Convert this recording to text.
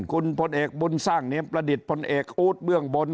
คุณพลเอกบุญสร้างเนียมประดิษฐ์พลเอกอู๊ดเบื้องบน